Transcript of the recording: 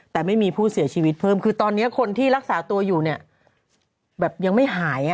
แต่ไม่มีผู้เสียชีวิตเพิ่มคือตอนนี้คนที่รักษาตัวอยู่เนี่ยแบบยังไม่หาย